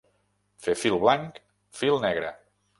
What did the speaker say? Fer fil blanc fil negre.